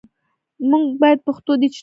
موږ باید پښتو ډیجیټل کړو